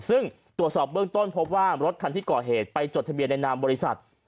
ซึ่งตรวจสอบเบื้องต้นพบว่ารถคันที่ก่อเหตุไปจดทะเบียนในนามบริษัท